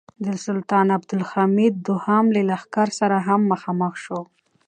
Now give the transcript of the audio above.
د سلطان عبدالحمید دوهم له لښکر سره هم مخامخ شو.